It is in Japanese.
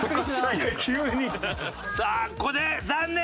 さあここで残念！